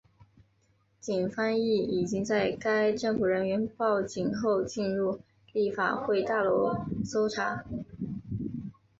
警方亦已经在该政府人员报警后进入立法会大楼搜查。